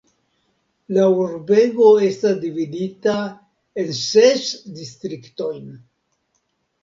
La urbego estas dividita en ses distriktojn.